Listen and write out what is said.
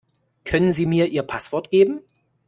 Können sie mir ihr Passwort geben?